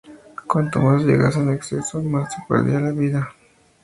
Cuanto más llegasen en exceso, más se perdería la vida en la superficie terrestre.